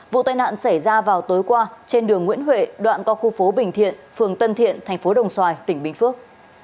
vụ tai nạn xảy ra vào tối qua trên đường nguyễn huệ đoạn co khu phố bình thiện phường tân thiện tp đồng xoài tỉnh bình phước